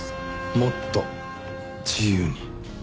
「もっと自由に」。